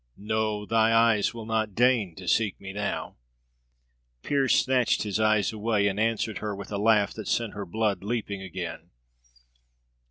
No, thy eyes will not deign to seek me now!" Pearse snatched his eyes away, and answered her with a laugh that sent her blood leaping again.